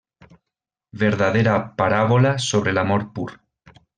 Verdadera paràbola sobre l'amor pur.